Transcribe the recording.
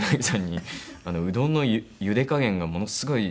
うどんのゆで加減がものすごい上手で。